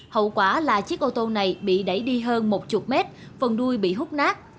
hậu quả là chiếc ô tô này bị đẩy đi hơn một chục mét phần đuôi bị hút nát